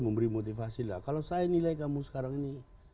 memberi motivasi lah kalau saya nilai kamu sekarang ini